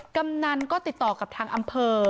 กำนันก็ติดต่อกับทางอำเภอ